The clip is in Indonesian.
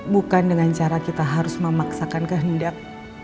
bukan dengan cara kita harus memaksakan kehendak